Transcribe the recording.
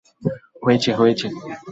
হয়েছে, হয়েছে।